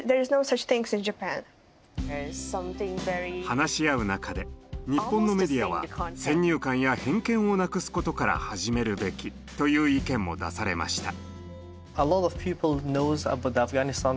話し合う中で「日本のメディアは先入観や偏見をなくすことから始めるべき」という意見も出されました。